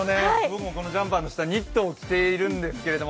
僕もこのジャンパーの下ニットを着ているんですけど